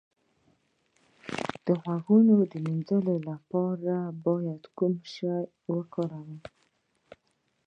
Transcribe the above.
د غوږونو د مینځلو لپاره باید څه شی وکاروم؟